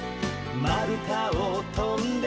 「まるたをとんで」